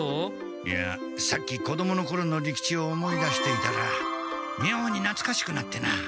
いやさっき子どものころの利吉を思い出していたらみょうになつかしくなってな。